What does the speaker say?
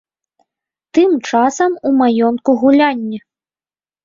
Тым часам у маёнтку гулянне.